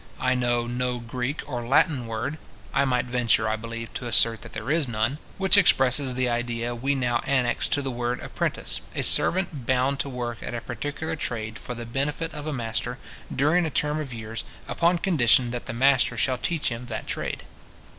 I know no Greek or Latin word (I might venture, I believe, to assert that there is none) which expresses the idea we now annex to the word apprentice, a servant bound to work at a particular trade for the benefit of a master, during a term of years, upon condition that the master shall teach him that trade.